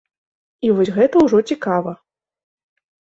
І вось гэта ўжо цікава.